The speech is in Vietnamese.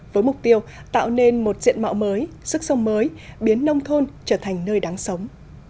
với mục tiêu tạo nên một diện mạo mới sức sông mới biến nông thôn trở thành nơi đáng sống